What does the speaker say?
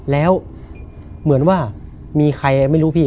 แล้วเหมือนว่ามีใครไม่รู้พี่